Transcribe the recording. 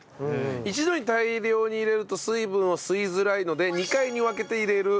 一度に大量に入れると水分を吸いづらいので２回に分けて入れる。